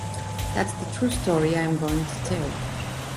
That's the true story I am going to tell.